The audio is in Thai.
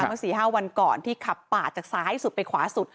เมื่อ๔๕วันก่อนที่ขับปาดจากซ้ายสุดไปขวาสุด